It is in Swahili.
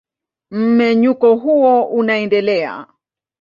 Mmenyuko huo unaendelea.